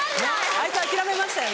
あいつ諦めましたよ